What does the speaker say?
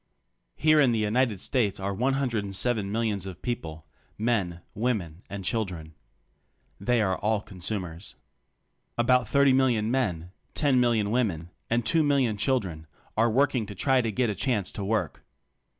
Here in the United States are 107 millions of people — men, women and children. They are all consumers. About thirty million men, ten million women and two million chil dren are working or trying to get a chance to work.